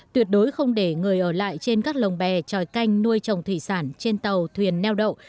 tuyệt đối không để người ở lại trên các lồng bè tròi canh nuôi trồng thủy sản trên tàu thuyền neo đậu